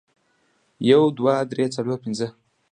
یو، دوه، درې، څلور، پنځه